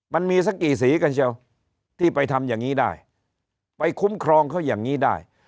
มันมีสักกี่สีกันเชียวที่ไปทำอย่างนี้ได้ไปคุ้มครองเขาอย่างนี้ได้